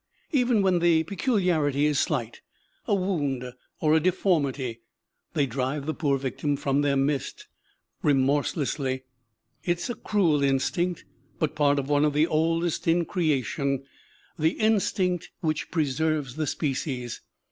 Even when the peculiarity is slight a wound, or a deformity they drive the poor victim from their midst remorselessly. It is a cruel instinct, but part of one of the oldest in creation, the instinct which preserves the species.